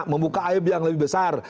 membuka aib yang lebih besar